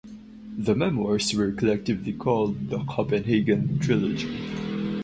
The memoirs were collectively called "The Copenhagen Trilogy".